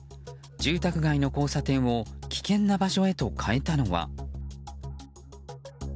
住宅街の交差点を危険な場所へと変えたのは。